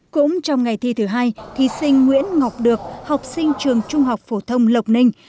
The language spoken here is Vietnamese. cũng trong ngày thi thứ hai thí sinh nguyễn ngọc được học sinh trường trung học phổ thông lộc ninh